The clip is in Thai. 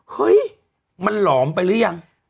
เฮ้ยมันหลอมไปหรือยัง